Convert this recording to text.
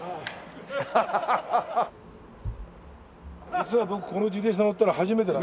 実は僕この自転車乗ったの初めてなんです。